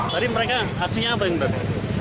tadi mereka aksinya apa yang tadi